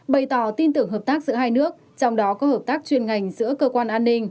bày tỏ tin tưởng hợp tác giữa hai nước trong đó có hợp tác chuyên ngành giữa cơ quan an ninh